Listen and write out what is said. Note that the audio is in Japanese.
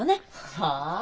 はあ？